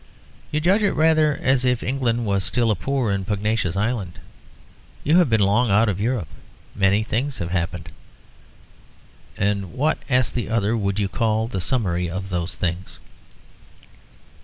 "You judge it rather as if England was still a poor and pugnacious island; you have been long out of Europe. Many things have happened." "And what," asked the other, "would you call the summary of those things?"